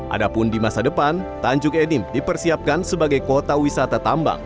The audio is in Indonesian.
adapun di masa depan tanjung edim dipersiapkan sebagai kota wisata tambang